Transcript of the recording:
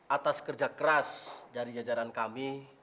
atas kerja keras dari jajaran kami